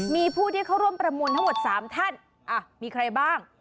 มีผู้ที่เข้าร่วมประมูลทั้งหมด๓ท่านมีใครบ้าง